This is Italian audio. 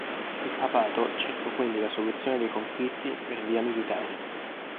Il papato cercò quindi la soluzione dei conflitti per via militare.